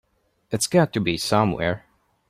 It's got to be somewhere.